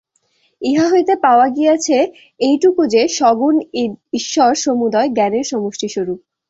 ইহা হইতে পাওয়া গিয়াছে এইটুকু যে, সগুণ ঈশ্বর সমুদয় জ্ঞানের সমষ্টিস্বরূপ।